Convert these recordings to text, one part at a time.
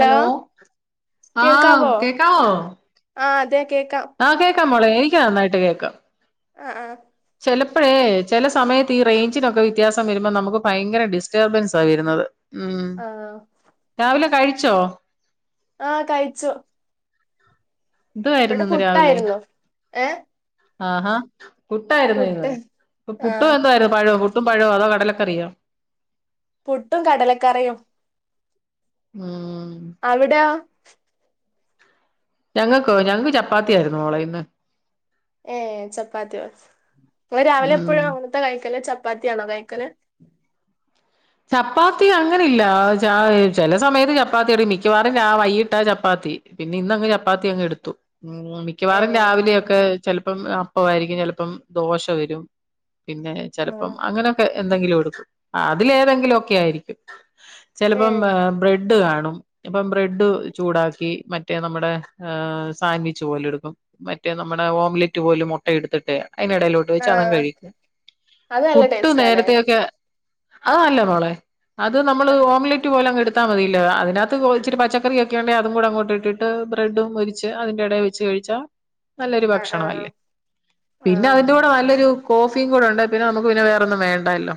Hello ആഹ് കേൾക്കാവോ കേക്കാവോ ആഹ് അതെ കേക്കാം ആഹ് കേക്കാം മോളെ എനിക്ക് നന്നായിട്ട് കേക്കാം ആഹ് ആഹ് ചെലപ്പഴേ ചെല സമയത്ത് ഈ റേഞ്ചിനൊക്കെ വ്യത്യാസം വരുമ്പോ നമുക്ക് ഭയങ്കര ഡിസ്റ്റർബൻസ വരുന്നത് ഉം ആഹ് ആഹ് രാവിലെ കഴിച്ചോ ആഹ് കയിച്ചു ഇവിടെ എന്തുവായിരുന്നു ഇന്ന് രാവിലെ പുട്ടായിരുന്നു ഏഹ് ആഹാ പുട്ടായിരുന്നോ ഇന്ന് പുട്ട് പ്പ പുട്ടു ആഹ് എന്താരു പഴവും പുട്ടും പഴവോ അതോ കടലക്കറിയോ പുട്ടും കടലക്കറിയും ഉം അവിട ഞങ്ങക്കോ ഞങ്ങക്ക് ചപ്പാത്തിയ ആയിരുന്നു മോളെ ഇന്ന് ഏഹ് ചപ്പാത്തിയൊ ഇങ്ങള് രാവിലെ ഉം എപ്പോഴും അങ്ങനത്തെ കഴിക്കല് ചപ്പാത്തിയാണോ കഴിക്കല് ചപ്പാത്തി അങ്ങനില്ല ച ചെല സമയത്ത് ചപ്പാത്തി മിക്കവാറും രാ വൈകിട്ടാ ചപ്പാത്തി പിന്നെ ഇന്നങ് ചപ്പാത്തി അങ്ങ് എടുത്തു [unintelligible] മിക്കവാറും ഏഹ് രാവിലെയൊക്കെ ചെൽപ്പം അപ്പവായിരിക്കും ചെലപ്പം ദോശ വരും പിന്നെ ആഹ് ചെലപ്പം അങ്ങനെയൊക്കെ എന്തെങ്കിലും എടുക്കും ഇതിലേതെങ്കിലൊക്കെ ആയിരിക്കും ചെലപ്പം ഏഹ് ബ്രെഡ് കാണും അപ്പം ബ്രെഡ് ചൂടാക്കി മറ്റേ നമ്മടെ ഏഹ് സാൻവിച്ച് പോലെ ഇടുക്കും മറ്റേ നമ്മടെ ഓംലറ്റ് പോലും മുട്ട എടുത്തിട്ടെയ് അയിനടയിലോട ട്ട് വെച്ച് അത അങ്ങ് ആഹ് കഴിക്കു അത് നല്ല പുട്ട് ടേസ്റ്റാല്ലേ നേരത്തെയൊക്കെ അത് നല്ല മൊളെ അത് നമ്മള് ആഹ് ഓംലെ റ്റ് പോല അങ്ങ് എടുത്താ മതിയെലോ അതിനാത്ത് ഓ ഇച്ചിരി പച്ചക്കറി ഒക്കെ ഉണ്ടെ അതും അങ്ങോട്ട് ഇട്ടിട്ട് ബ്രഡും ഒരു ച്ച് അതിന്റെ എടെ വെച്ച് കഴിച്ചാ നല്ലൊരു ആഹ് ഭക്ഷണ ആഹ് അല്ലേ പിന്നെ ആഹ് അതിന്റെ കൂടെ നല്ലൊരു കോഫീ കൂടെ ഉണ്ടെ പിന്നെ നമ്മക്ക് പിന്നെ വേറൊന്നും വേണ്ടല്ലോ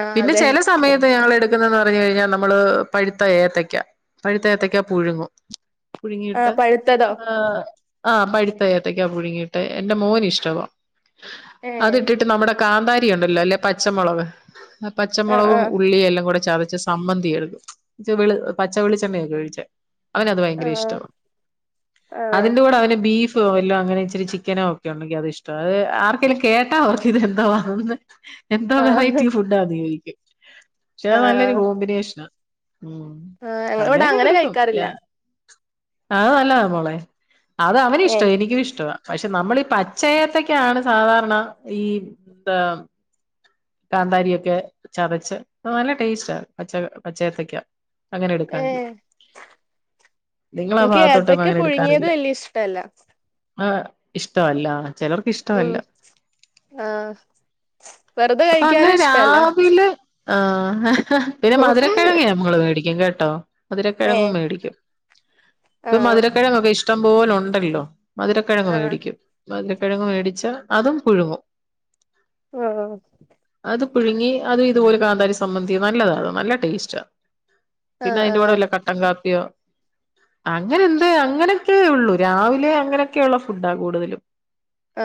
ആഹ് പിന്ന അതെ ചെല സമയത്ത് ഞങ്ങള് എട് ക്കുന്ന് പറഞ്ഞ കഴിഞ്ഞാൽ നമ്മള് പഴിത്ത ഏത്തക്ക പഴിത്ത ഏത്തക്കാ പുഴുങ്ങും ആഹ് പുഴുങ്ങിയിട്ട് പഴുത്തതോ ആഹ് ആഹ് പഴിത്ത ഏത്തക്കാ പുഴുങ്ങിയിട്ട് എന്റെ മോന് ഇഷ്ടവാ ഏഹ് അത്ട്ടിട്ട് നമ്മടെ കാന്താരി ഉണ്ടല്ലോ അല്ലെ പച്ചമൊളക് ആഹ് പച്ചമൊളകും ആഹ് ഉള്ളിയെല്ലാം കൂടെ ചതച്ച് ചമ്മന്തി എടുക്കും പച്ച വെള് പച്ച വെളിച്ചണ്ണയൊക്കെ ഒഴിച്ച് അവനത് ഭയങ്കര ആഹ് ഇഷ്ടവാ അതിന്റെ കൂടെ അവന് ബീഫ് വല്ലോ അങ്ങനെ ഇച്ചിരി ചിക്കനോ ഒക്കെ ഉണ്ടെങ്കി അത്ഷ്ടവാ അത് ആർക്കെലും കേട്ടാ അവർക്ക് ഇതെന്തോവാന്ന് എന്തോ ആഹ് ആഹ് വെറൈറ്റി ഫുഡാന്ന് ചോദിക്കും പക്ഷെ അത് ആഹ് നല്ലൊരു ആഹ് കോമ്പിനേഷ്ന മ് ഞങ്ങളിവിടെ അങ്ങനെയൊക്കെ അങ്ങനെ കൊടുക്കും കഴിക്കാറില്ല ഞാൻ അത് നല്ലത മോളെ അത് അവന് ഇഷ്ട്ടാ ഏഹ് എനിക്കും ഇഷ്ട്ടവാ പക്ഷെ നമ്മള് ഇ പച്ച യേത്തക്കയാണ് സാധാരണ ഈ ന്താ കാന്താരിയൊക്കെ ചതച്ച് ഓ നല്ല ടേസ്റ്റാ പച്ച പച്ചയേത്തക്ക അങ്ങനെ എടുക്കാന്തി ഏഹ് നിങ്ങളാ എനിക്ക് ഭാഗത്തോട്ടപ്പ ഏത്തക്ക ങ്ങനെ പുഴുങ്ങിയത് എടുക്കാറില്ല വല്യ ഇഷ്ടല്ല മാഹ് ഇഷ്ടവല്ലാളെ ഉം ആഹ് വെറുതെ അപ്പൊ കഴിക്കാനും അങ്ങനെ ഇഷ്ടല്ല രാവിലെ ആഹ് പിന്നെ മധുരക്കിഴങ്ങ് നമ്മള് വേടിക്കും കേട്ടോ മധുരക്കിഴങ്ങും ഏഹ് മേടിക്കും ഇപ്പം ആഹ് മധുരക്കിഴങ്ങൊക്കെ ഇഷ്ടം പോലൊണ്ടല്ലോ മധുരക്കിഴങ്ങ് ആഹ് വേടിക്കും മധുരക്കിഴങ്ങ് മേടിച്ച അതും പുഴുങ്ങും ആഹ് അത് പുഴുങ്ങി അത് ഇതുപോലെ കാന്താരി സമ്മന്തി നല്ലതാണ് നല്ല ടേയ്സ്റ്റാ പിന്നെ ആഹ് അയ്‌ന്റെ ആഹ് കൂടെവല്ല കട്ടൻ കാപ്പിയോ അങ്ങനെ ന്തേ അങ്ങനെക്കെയു ള്ളൂ. രാവിലെ അങ്ങനൊക്കെയള്ള ഫുഡാ കൂടുതലും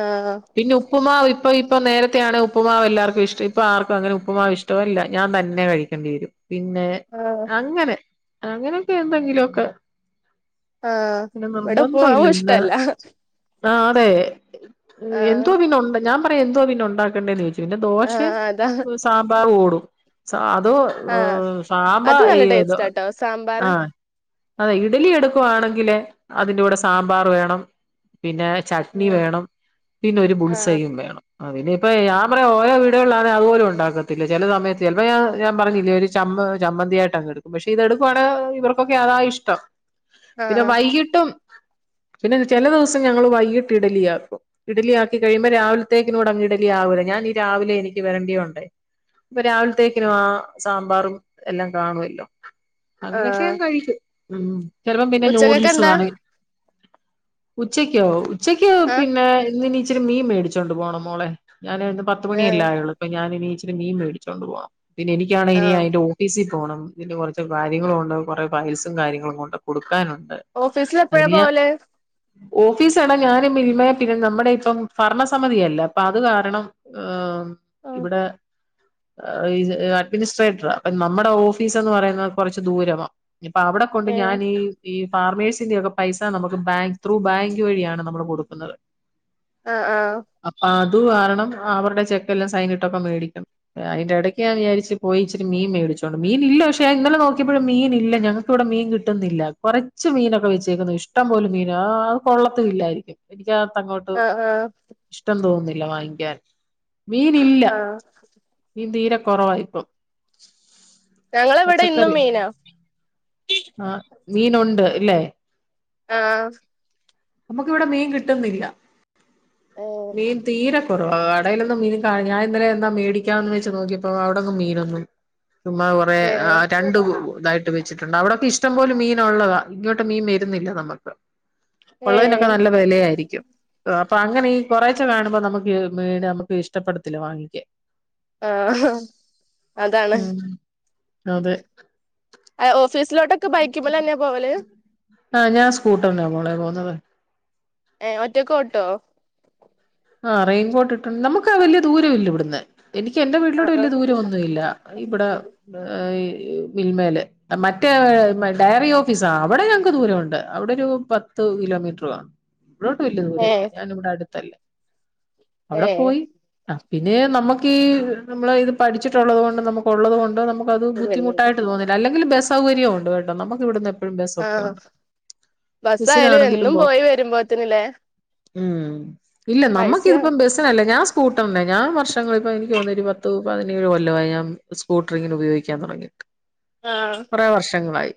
ആഹ് പിന്നെ ഉപ്പുമാവ് ഇപ്പൊ ഇപ്പം നേരത്തെയാണെ ഉപ്പുമാവ് എല്ലാർക്കും ഇഷ്ട ഇപ്പൊ ആർക്കും അങ്ങനെ ഉപ്പുമാവ് ഇഷ്ടവല്ല ഞാൻ തന്നെ കഴിക്കെണ്ടി വരും പിന്നെ ആഹ് അങ്ങനെ അങ്ങനൊക്കെ എന്തെങ്കിലൊക്കെ ആഹ് പിന്നെ ഇവിടെ നിർബന്ധ ഇല്ല ഉപ്പുമാവും ന്നാ ഇഷ്ടല്ല ആഹ് അതെ ആഹ് എന്തോ പിന്നെ ഒണ്ട് ഞാൻ പറയാ എന്തോ പിന്നെ ഒണ്ടാക്കണ്ടേന്ന് ചോദി പിന്നെ ദോശേം ആഹ് അതാ സാമ്പാറും ഓടും സ അത് ഓ ആഹ് സാമ്പാ അത് ഈ നല്ല ദൊ ടേസ്റ്റാട്ടോ സാമ്പാറ് ആഹ് അതെ ഇഡലി എടുക്കുകവാണെങ്കില് അതിന്റെ കൂടെ സാമ്പാർ വേണം പിന്നെ ചട്നി ഉം വേണം പിന്നെ ഒരു ആഹ് ബുൾസയും വേണം അതിന് പ്പ ഞാൻ പറയാ ഓരോ വീടുകളിലാണെ അതുപോലും ഉണ്ടാക്കത്തില്ല ചില സമയത്ത് ചെലപ്പ ഞാ ഞാൻ ഒരു ചമ്മ ചമ്മന്തിയ ടുക്കും പക്ഷെ ഇതെടുക്കാണ് ഇവർക്കൊക്കെ അതാ ഇഷ്ടം. പിന്നെ ആഹ് വൈകിട്ടും പിന്നെ ചില ദിവസം ഞങ്ങള് വൈകിട്ട് ഇഡലിയാക്കും. ഇഡലിയാക്കി കഴിയുമ്പോ രാവിലത്തേക്കൂടങ്ങ് ട് ലിയാവൂല. ഞാൻഈ രാവിലെ എനിക്ക് വരണ്ടിയോണ്ടേ പ്പൊ രാവിലത്തേക്കിനും ആ സാമ്പാറും എല്ലാം കാണുവല്ലോ അങ്ങനെയൊക്കെ ആഹ് ഞാൻ കഴിക്കും. ഉം ചെലപ്പം പിന്നെ നൂഡിൽസ് ഉച്ചക്കൊക്കെന്താ വേണം ഉച്ചക്കോ ഉച്ചക്ക് ആഹ് പിന്നെ ഇന്നിനി ച്ചിരി മീൻ മേടിച്ചോണ്ട് പോണം മോളെ ഞാൻഇന്ന് പത്ത് മണിയല്ലാ ഏഹ് യൊള്ളൂ ഇപ്പ ഞാനിനി ഇച്ചിരി മീൻ മേടിച്ചൊണ്ട് പോവാ. പിന്നെനിക്കാണെ ഇനി ആഹ് അയിന്റെ ഫീസി പോകണം ഇതിന്റെ കുറച്ച് കാര്യങ്ങളു ണ്ട് കുറേ ഫയൽസും കാര്യങ്ങളും കൊണ്ട് കൊടുക്കാനുണ്ട് ഓഫീസിലെപ്പഴാ അതിന് ഞാൻ പോവല് ഓഫീസ് ആണ ഞാനും മിൽമയെ പിന്നെ നമ്മുടെ ഇപ്പം ഭരണ സമിതിയല്ലേ അപ്പ അത് ണം ഈ ആഹ് ഇബിടെ ഏ അഡ്മിനിസ്ട്രേറ്ററ. അപ്പൊ നമ്മുടെ ഓഫീസ് എന്ന് പറയുന്നത് കൊറച്ച് ദൂരവ ഇഞ്ഞി പ്പൊ അവിടെ ഏഹ് കൊണ്ട്ഞാനീ ഈഹ് ഫാർമേഴ്സിന്റെറെ യൊക്കെ പൈസ നമുക്ക് ബാങ്ക് ത്രൂ ബാങ്ക് വഴിയാണ് നമ്മള് കൊടുക്കുന്നത് അ ആഹ് അപ്പൊ അതുകാരണം അവരുടെ ചെക്കെല്ലാം സൈനിട്ടൊക്കെ മേടിക്കണം ഏ അതിന്റെ ഇടയ്ക്ക്ഞാൻ വിചാരിച്ച് പോയി ഇച്ചിരി മീൻ മേടിച്ചോണ്ട് മീനില്ല പക്ഷേ ഇന്നലെ നോക്കിയപ്പോഴും മീൻ ഇല്ല ഞങ്ങ ക്ക് വിടെ മീൻ കിട്ടുന്നില്ല. കുറച്ച് മീനൊക്കെ വെച്ചേക്കുന്നു ഇഷ്ടംപോലും മീന ആ അത് കൊള്ളത്തു ഇല്ലായിരിക്കും എനിക്കകത്ത ങ്ങോട്ട് ആഹ് ആഹ് ഇഷ്ടം തോന്നുന്നില്ല വാങ്ങിക്കാൻ മീനില്ല ആഹ് മീൻ തീരെ കുറവായിപ്പം ഞങ്ങളിവിടെ ഇന്നും പച്ചക്കറി മീനാ ആഹ് മീനുണ്ട് ഇല്ലേ ആഹ് നമുക്കിവിടെ മീൻ കിട്ടുന്നില്ല മീൻ തീരെ കുറവ കടയിലൊന്നും മീൻ കാ ഞാൻ ഇന്നലെ എന്താ മേടിക്കാന്ന് വെച്ച് നോക്കിയപ്പോ അവിടെന് മീനൊന്നും ഇല്ല ചുമ്മാ കുറേ ഏ ഏ ആ രണ്ട് ഇതായിട്ട് ഇട്ട് വെച്ചിട്ടുണ്ട് അവിടൊക്കെ ഇഷ്ടം പോല മീൻ ഉള്ളതാ ഇങ്ങോട്ട് മീൻ വരുന്നില്ല നമുക്ക് ഏ ഉള്ളതിനൊക്കെ നല്ല വെലയായിരിക്കും അപ്പൊ അങ്ങനെ ഈ കുറേച്ചെ കാണുമ്പോൾ നമുക്ക് ഈ മീന് നമുക്ക് ഇഷ്ടപ്പെടത്തില്ല വാങ്ങിക്കാൻ ആഹാ അതാണ് ഉം അതെ ഏ ഓഫീസിലോട്ടൊക്കെ ബൈക്ക് മ്മെലെന്നാ പോവല് ആഹ് ഞാൻ സ്ക്കൂട്ടറിനാ മോളെ പോകുന്നത് ഏഹ്ഒറ്റക്ക് ഓട്ടോ ആഹ് റെയിൻകോട്ട് ഇട്ടുണ്ട് നമുക്ക് വല്യ ദൂരമില്ലടന്ന് എനിക്ക് എന്റെ വീട്ടിലോട് വല്യ ദൂരം വൊന്നുമല്ല ഇവിടെ മിൽമേല് മറ്റേ ഡയറി ഓഫീസാ അവിടെ ഞങ്ങക്ക് ദൂരമുണ്ട് അവിടെ ഒരു പത്ത് കിലോമീറ്ററാണ് ഇവിടോട്ട് വല്യ ദൂര ഏ ഇല്ല ഞൻ ഇവിടെ അടുത്തല്ലേ അവിടെ ഏ പോയി ആ പിന്നെ നമുക്ക് നമ്മള് ഇത് പഠിച്ചിട്ടുള്ളത് കൊണ്ട് നമുക്ക ഉള്ളത് കൊണ്ട് നമുക്ക് അപ്പ അത് ബുദ്ധമുട്ടായി തോന്നുന്നില്ല അല്ലങ്കിൽ ബസ് സൗകര്യ ഉണ്ട് കെട്ടോ നമുക്ക്ടുന്ന് എപ്പ എപ്പോഴും ബസ്സ്‌ ഒക്കെ ആഹ് ഉണ്ട് ബസ്സായാലും ബസിനാണെങ്കിലും എന്നും പോവാ പോയി വരുമ്പോത്തിനില്ലേ ഉം ഇല്ല നമ്മക്ക് ഇതിപ്പ പൈസയാവും ബസ് ഞാൻ സ്കൂട്ടറിന് ഞാൻ വർഷങ്ങളിപ്പ എനിക്ക്തോന്നുന്നു ഒരു പത്തുപതിനേഴ് കൊല്ലമായി ഞാൻ സ്കൂട്ടറിങ്ങിനെ ഉപയോഗിക്കാൻ തുടങ്ങിയിട്ട് ആഹ് കുറേ വർഷങ്ങളായി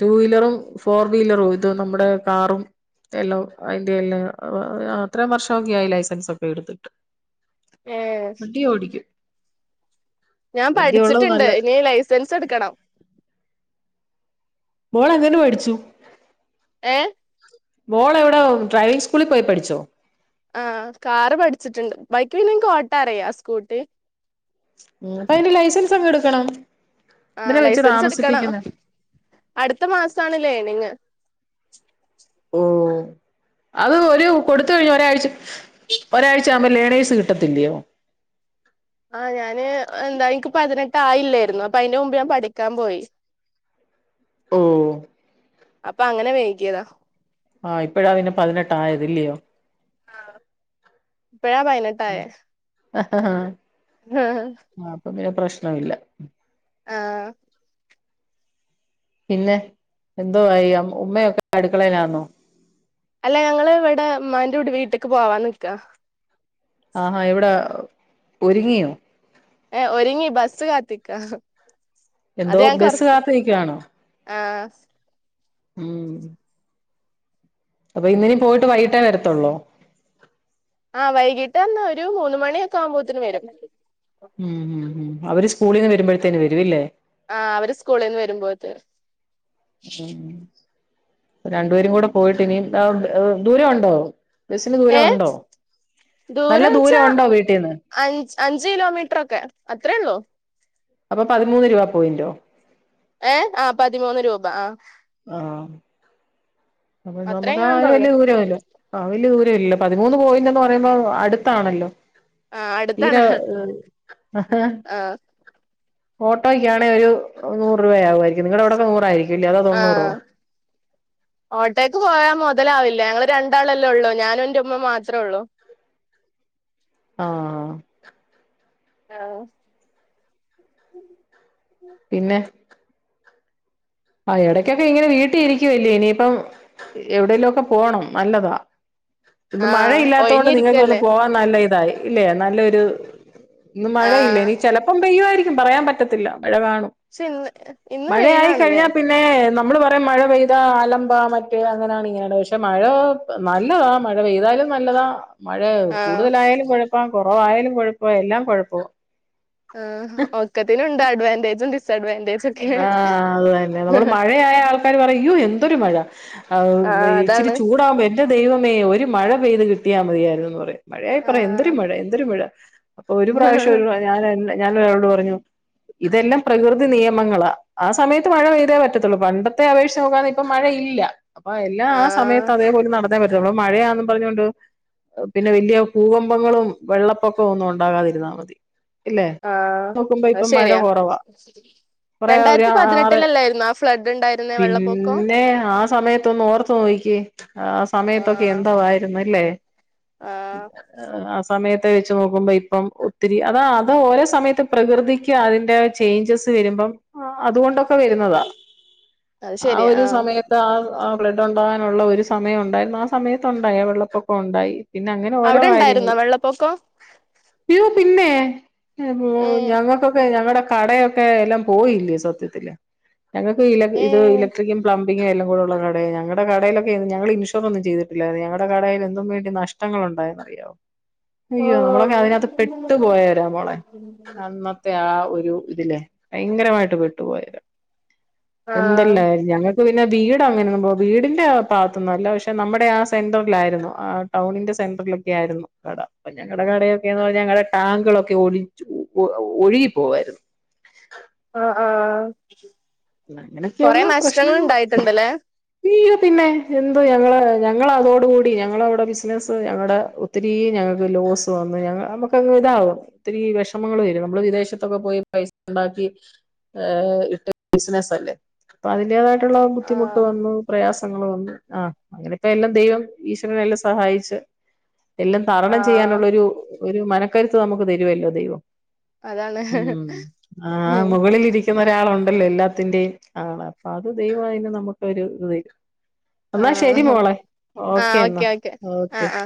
ടു വീലറും ഫോർ വീലറും ഇത് നമ്മുടെ കാറും എല്ലാം അയിന്റെ എല്ലാം [unintelligible] ഇത്രയും വർഷമൊക്കെ ആയി ലൈസൻസ് ഒക്കെ എടുത്തിട്ട് ഏ വണ്ടിയും ഓടിക്കും ഞാൻ വണ്ടി ഉള്ളത് പഠിച്ചിട്ടുണ്ട് നല്ലത് ഇനി ലൈസൻസ് എടുക്കണം മോൾ എങ്ങനെ പടിച്ചു? ഏഹ് മോളെവിട ഡ്രൈവിംഗ് സ്കൂളിൽ പോയി പഠിച്ചോ? ആ കാറ് പഠിച്ചിട്ടുണ്ട് ബൈക്ക് പിന്നെ ഇൻഓട്ടാറിയ സ്കൂട്ടി. ഉം അപ്പൊ അതിന്റെ ലൈസൻസഒക്കെ ടുക്കണം എന്തിന ആഹ് വെച്ച് ലൈസൻസ് എടുക്കണം താമസിപ്പിക്കുന്നെ? അടുത്ത മാസാണ് ലേനിങ്ങ്. ഓ അത് ഒരു കൊടുത്ത് കഴിഞ് ഒരാഴ്ച ഒരാഴ്ച ആവുമ്പോ ലേണേസ് കിട്ടും. കിട്ടത്തില്ലയോ? ആഹ് ഞാന് എന്താ എനിക്ക് പതിനെട്ട് ആയില്ലായിരുന്നു അപ്പൊ അതിന്റെ മുമ്പ് ഞാൻ പഠിക്കാൻ പോയി. ഓ അപ്പൊ അങ്ങനെ വെയ്കിയതാ. ആഹ് ഇപ്പഴാ പിന്നെ പതിനെട്ടായത് ഇല്ലെയോ? ഇപ്പഴാ ഹ ഹ ഹേ ഹാ അപ്പൊ പിന്നെ പ്രശ്നമില്ല. ആഹ് പിന്നെ എന്തോ ആയി അ ഉമ്മയൊക്കെ അടുക്കളേ ലാന്നോ അല്ല ഞങ്ങള് ഇവടെ ഇമ്മാന്റെ വീട് വീട്ടിക്ക് പോവാന്ന്ക്കാ ആഹാ എവ്ടാ ഒരുങ്ങിയോ ഏഹ് ഒര്ങ്ങി ബസ്സ് കാത്ത്ക്ക എന്തോ അത് ഞങ്ങക്ക് ബസ് കൊ കാത്ത് നിക്കുവാണോ ആഹ് ഉം അപ്പൊ ഇന്നിനി പോയിട്ട് വൈകിട്ടെ വരത്തൊള്ളോ ആ വൈകീട്ട് റഞ്ഞ ഒരു മൂന്ന് മണിയൊക്കെ ആവുമ്പോത്തിന് വരും ഉം ഉം ഉം അവര് സ്കൂളിന്ന് വരുമ്പഴ്ത്തേന് വരുവല്ലേ ആഹ് അവര് സ്കൂളിന്ന് വരുമ്പോത്തിന് ഉം രണ്ടുപേരും കൂടെ പോയിട്ട് ഇനിയും ദൂരോണ്ടോ ബസിന് ഏഹ് ദൂരവുണ്ടോ നല്ല ദൂരം ഉണ്ടോ വീട്ടീന്ന് അഞ്ച് അഞ്ച് കിലോമീറ്ററൊക്കെ അത്രേഒള്ളു അപ്പൊ പതിമൂന്ന് രൂപാ പോയിന്റോ ഏഹ് ആ പതിമൂന്ന് രൂപ ആഹ് ആഹ് അപ്പ നമുക്ക് ആ അത്രേങ്ങാണ്ടുള്ളൂ വല്ല്യേ ദൂരവില്ല ആഹ് വല്യ ദൂരവില്ല ലോ പതിമൂന്ന് പോയിന്റ്ന്ന് പറയുമ്പോ അ ട്ത്താണല്ലോ ആഹ് തീരേ അടുത്താണ് ആഹ് ഓട്ടോക്കാണെൽ ഒരു നൂറ് രൂപ യാവു വാരിക്കും നിങ്ങടെ അവടെക്കെ നൂറായിരി ആഹ് ഓട്ടേക്ക് പോയാ മൊതലാവില്ല ഞങ്ങള് രണ്ടാളെല്ലേ ഒള്ളൂ ഞാനും എന്റെ ഉമ്മ മാത്രള്ളൂ ആഹ് ആഹ് പിന്നെ ആ എടക്കൊക്കെ ഇങ്ങനെ വീട്ടി ഇരിക്കുവല്ലേ ഇനിയിപ്പം എവിടേലൊക്ക പോണം നല്ലതാ ഇന്ന് ആഹ് മഴയില്ലാത്തോണ്ട് നിങ്ങക്ക് ഒന്ന് ഒഴിഞ്ഞിരിക്കല്ലേ പോവാ നല്ല ഇതായി ഇല്ലേ നല്ലൊരു ഇന്ന് മഴ ഇല്ല ആഹ് ഇനി ചെ ലപ്പം പെയ്യുവാരിക്കും പറയാൻ പറ്റത്തില്ല മഴ കാണും പക്ഷെ ഇന്ന് ഇന്ന് മഴയായി വൈലാണ്ലേ കഴിഞ്ഞാൽ പിന്നെ നമ്മള് പറയും മഴ പെയ്ത അലബാ മറ്റേ അങ്ങനാണ് ഇങ്ങനാണ് പക്ഷെ മഴ നല്ലതാ മഴ പെയ്താലും നല്ലതാ മഴ ആഹ് കൂടുതലായാലും കൊഴപ്പ കൊറവായാലും കൊഴപ്പ എല്ലാം കൊഴപ്പ ആഹ് ഒക്കത്തിനുണ്ട് അഡ്വാൻറ്റേജും ഡിസ്സ് അഡ്വാവാ ആഹ് അത് തന്നെ നമ്മള് മഴയായ ആൾക്കാര് പറയും യ്യോ എന്തൊരു മഴ ആഹ് ഇച്ചിരി ചൂടാവുമ്പോ എ ന്റെ ദൈവമേ ഒരു മഴ പെയ്ത് കിട്ടിയാ മതിയാരുന്നെന്ന് പറയും മഴയായ പറയും എന്തൊരു ആഹ് മഴ എന്തൊരു മഴ അപ്പൊ ഒരു പ്രാവശ്യം ഒരു ഞാൻ എന്നെ ഞാൻ ഒരാളോട് പറഞ്ഞു ഇതെല്ലാം പ്രകൃ തി നിയമങ്ങളാ ആ സമയത്ത് മഴ പെയ്തേ പറ്റത്തൊള്ളൂ പണ്ടത്തെ അപേക്ഷിച്ച് നോക്കുവാന്നെ ഇപ്പ മഴ ഇല്ല അപ്പൊ എല്ലാ ആ ആഹ് സമയത്ത് അതേപോലെ നടന്നേ പറ്റൊള്ളൂ മഴയാന്നും പറഞ്ഞോണ്ട് പിന്നെ വല്ല്യ പൂവമ്പങ്ങളും വെള്ളപ്പൊക്കവും ഒന്നും ഉണ്ടാകാതിരുന്നാ മതി ഇല്ലേ ആഹ് നോക്കുമ്പോ ഇപ്പൊ മഴ കൊറവാ അത് ശെരി കൊറേ ഒര് ആറ് ഫ്ലഡ് ഉണ്ടായിരുന്നേ വെള്ളപ്പൊക്കം പിന്നെ ആ സമയത്തൊന്ന് ഓർത്ത് നോയിക്കേ ആ സമയത്തൊക്കെ ആഹ് എന്തോ ആയിരുന്നല്ലേ ആഹ് ആ സ സമയത്തെ വെച്ച് നോക്കുമ്പോ ഇപ്പം ഒത്തിരി അതാ അത് ഓരോ സമയത്ത് പ്രകൃതിക്ക് അതിന്റെ ചേഞ്ചസ് വരുമ്പം ആ അതുകൊണ്ടൊക്കെ വരുന്നതാ അത് ആ ശെരിയാ ഒരു ആഹ് സമയം ത്ത് ആഹ്- ആഹ് ബ്ലഡ് ഒണ്ടാകാനുള്ള ഒരു സമയം ഒണ്ടായിരുന്നു ആ സമയത്ത് ഒണ്ടായി വെള്ളപ്പൊക്കം ഒണ്ടായി. പിന്നെ അങ്ങനെ ഓരോ അവിടെ ഇണ്ടായിരുന്നോ കാര്യങ്ങളും വെള്ളപ്പൊക്കം അയ്യോ പിന്നെ ഏഹ് ഞങ്ങക്കൊക്കെ ഞങ്ങടെ കടയൊക്കെ എല്ലാം പോയില്ലേ സത്യത്തില് ഞങ്ങക്ക് ഇല ഇത് ഏഹ് ഇല ട്രിക്കും പ്ലംബിങ്ങും എല്ലാം കൂടൊള്ള കടയാ ഞങ്ങടെ കടയിലൊക്കെ ഞങ്ങള് ഇൻഷറൊന്നും ചെയ്തിട്ടില്ലായിരുന്ന് ഞങ്ങടെ കടയിലെന്തും വേണ്ടി നഷ് ടങ്ങളൊണ്ടായിന്നറിയാവോ അയ്യോ നമ്മളൊക്കെ ആഹ് അതിനകത്ത് പെട്ടു പോയോരാ മോളെ അന്നത്തെ ആ ഒരു ഇതിലേ ഭയങ്കരമായിട്ട് പെട്ടുപോയോരാ എന്തെല്ലായിരുന്നു ഞങ്ങ പിന്നെ വീട് അങ്ങനൊന്നും പോ വീടിന്റെ ആ ഭാഗത്തൊന്നു അല്ല പക്ഷെ നമ്മുടെ ആ സെന്ററിലായിരുന്നു ആഹ് ടൗണിന്റെ സെന്ററിലൊക്കെ ആയിരുന്നു കട അപ്പ ഞങ്ങടെ കടയൊക്കെയാന്ന് പറഞ്ഞ ഞങ്ങടെ ടാങ്കുകളൊക്കെ ഒലിച്ചുപോ ഒ ഒഴുകി പോവായിര്ന്ന് ആ ആഹ് പിന്നെ കൊറെ അങ്ങനെയൊക്കെയുള്ളൂ നഷ്ടങ്ങൾ പ്രശ്നങ്ങള് ഉണ്ടായിട്ടുണ്ടല്ലേ യ്യോ പിന്നെ എന്തു ഞങ്ങള് ഞങ്ങള് അതോടുകൂടി ഞങ്ങളവിടെ ബിസിനസ്സ് ഞങ്ങടെ ഒ ത്തിരീ ഞങ്ങക്ക് ലോസ് വന്ന് ഞങ്ങ നമുക്കങ്ങ് ഇതാവും ഒത്തിരി വെഷമങ്ങൾ വരും നമ്മള് വിദേശത്തൊക്കെ പോയി പൈസ ഉണ്ടാക്കി ഏഹ് ഇട്ട് ബിസിനസ്സ് അല്ലേ അപ്പൊ അതിന്റേതായിട്ടുള്ള ബുദ്ധിമുട്ട് ആഹ് വന്നു പ്രയാസങ്ങള് വന്നു ആഹ് അങ്ങനെത്തെ എല്ലാം ദൈവം ഈശ്വരനെല്ലാം സഹായിച്ച് എല്ലാം തരണം ആഹ് ചെയ്യാനുള്ള ഒരു ഒരു മനക്കരുത്ത് നമുക്ക് തരുവല്ലോ ദൈവം അതാണ് ഉം ആ ആഹ് ഉം മുകളിൽ ഇരി ക്കുന്ന ഒരാളൊണ്ടല്ലോ എല്ലാത്തിന്റെയും ആള് അപ്പൊ അത് ദൈവം അയിന് നമുക്കൊരു ഇത് തരും എന്നാ ശരി ആഹ് മോളേ ആഹ് ഓക്കേ ഓക്കെ എന്നാ ഓക്കെ ഓക്കേ ആഹ് ആഹ്